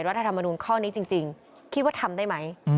รัฐธรรมนูลข้อนี้จริงคิดว่าทำได้ไหม